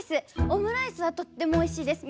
オムライスはとってもおいしいです。